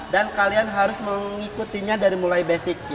dan kalian harus mengikutinya dari mulai basic